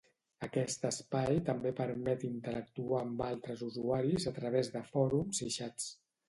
Aquest espai també permet interactuar amb altres usuaris a través de fòrums i xats.